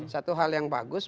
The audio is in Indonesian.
satu hal yang bagus